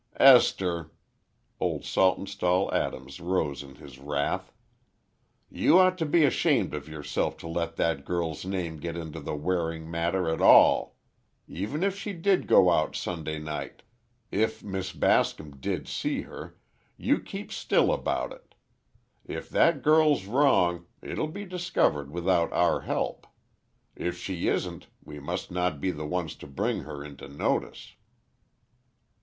"Esther!" Old Saltonstall Adams rose in his wrath, "you ought to be ashamed of yourself to let that girl's name get into the Waring matter at all. Even if she did go out Sunday night, if Miss Bascom did see her, you keep still about it. If that girl's wrong, it'll be discovered without our help. If she isn't, we must not be the ones to bring her into notice."